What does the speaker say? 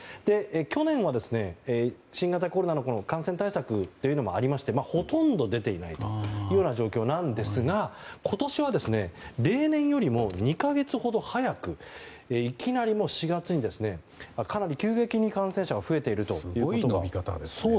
去年は新型コロナの感染対策もありましてほとんど出ていないというような状況なんですが今年は例年よりも２か月ほど早くいきなり４月にかなり急激に感染者が増えていると。